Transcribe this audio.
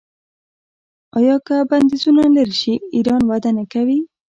آیا که بندیزونه لرې شي ایران وده نه کوي؟